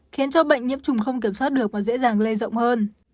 khiến cho bệnh nhiễm trùng không kiểm soát được và dễ dàng lây rộng hơn